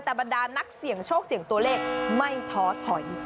แต่บรรดานักเสี่ยงโชคเสี่ยงตัวเลขไม่ท้อถอย